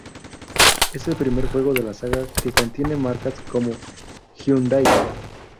Es el primer juego de la saga que contiene marcas como Hyundai.